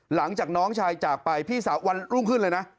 หลังจากน้องชายจากไปพี่สาววันรุ่งขึ้นเลยนะ